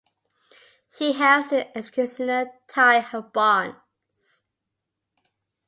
She helps the executioner tie her bonds.